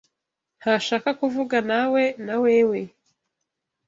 ntashaka kuvuganawe nawewe.